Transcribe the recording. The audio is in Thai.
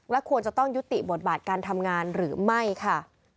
ควรจะต้องยุติบทบาทการทำงานหรือไม่ค่ะ